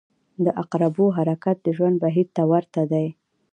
• د عقربو حرکت د ژوند بهیر ته ورته دی.